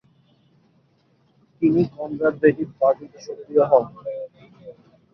তিনি কনজারভেটিভ পার্টিতে সক্রিয় হন।